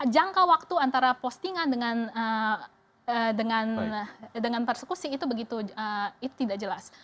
jangka waktu antara postingan dengan persekusi itu begitu tidak jelas